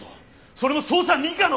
それも捜査二課の！